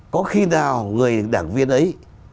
có khi nào người đảng viên ấy